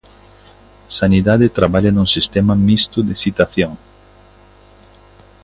Sanidade traballa nun sistema mixto de citación.